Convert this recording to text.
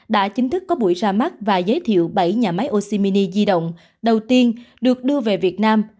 đã chính thức có buổi ra mắt và giới thiệu bảy nhà máy oce mini di động đầu tiên được đưa về việt nam